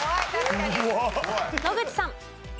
野口さん。